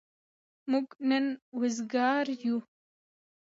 موږ نن وزگار يو.